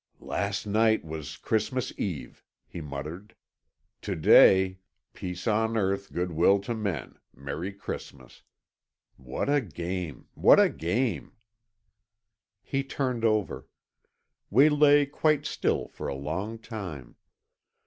"Last night was Christmas Eve," he muttered. "To day—Peace on earth, good will to men! Merry Christmas. What a game—what a game!" He turned over. We lay quite still for a long time.